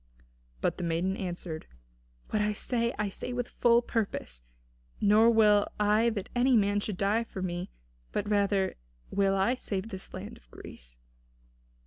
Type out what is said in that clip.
But the maiden answered: "What I say, I say with full purpose. Nor will I that any man should die for me, but rather will I save this land of Greece."